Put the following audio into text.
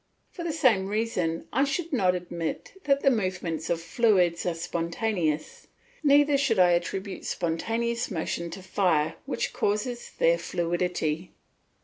For the same reason I should not admit that the movements of fluids are spontaneous, neither should I attribute spontaneous motion to fire which causes their fluidity.